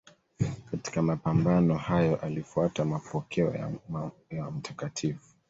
Katika mapambano hayo alifuata mapokeo ya Mt.